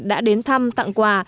đã đến thăm tặng quà